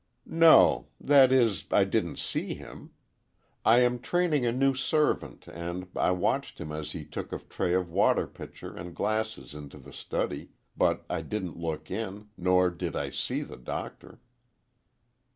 "No; that is, I didn't see him. I am training a new servant, and I watched him as he took a tray of water pitcher and glasses into the study, but I didn't look in, nor did I see the doctor."